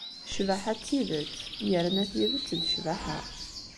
Ccbaḥa d tidet yerna tidet d ccbaḥa.